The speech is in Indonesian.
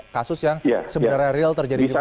kasus yang sebenarnya real terjadi di indonesia